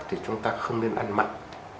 thì chúng ta không nên ăn mặn